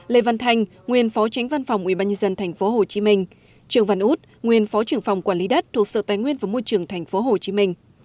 lê văn thành nguyên phó chánh văn phòng ủy ban nhân dân tp hcm trường văn út nguyên phó trưởng phòng quản lý đất thuộc sở tài nguyên và môi trường tp hcm